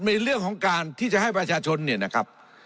ในเรื่องของการที่จะให้ประชาชนเนี่ยนะครับ